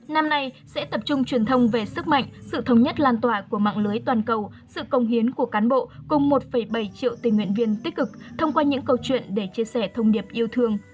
năm nay sẽ tập trung truyền thông về sức mạnh sự thống nhất lan tỏa của mạng lưới toàn cầu sự công hiến của cán bộ cùng một bảy triệu tình nguyện viên tích cực thông qua những câu chuyện để chia sẻ thông điệp yêu thương